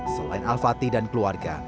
selain al fatih dan keluarga